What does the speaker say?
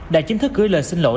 đã chính thức gửi lời xin lỗi